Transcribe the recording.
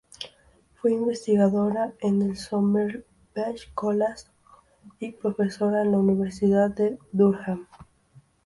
Fue investigadora en el Somerville College y profesora en la Universidad de Durham.